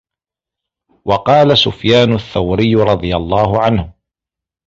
وَقَالَ سُفْيَانُ الثَّوْرِيُّ رَضِيَ اللَّهُ عَنْهُ